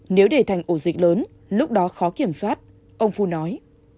nếu để thành ổ dịch lớn lúc đó khó kiểm soát ông phu nói